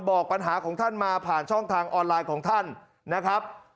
บอกปัญหาของท่านมาผ่านช่องทางออนไลน์ของท่านนะครับ